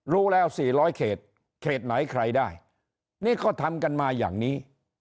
รู้แล้ว๔๐๐เขตเขตไหนใครได้นี่ก็ทำกันมาอย่างนี้